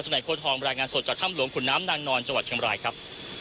ทัศนัยโค้ดฮองรายงานสดจากถ้ำหลวงคุณน้ำนางนอนจังหวัดเข็มรายครับ